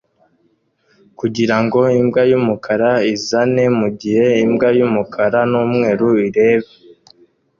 kugirango imbwa yumukara izane mugihe imbwa yumukara numweru ireba